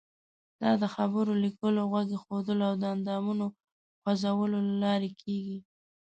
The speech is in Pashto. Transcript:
دا د خبرو، لیکلو، غوږ ایښودلو او د اندامونو خوځولو له لارې کیږي.